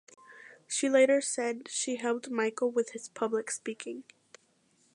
She later said she helped Michael with his public speaking.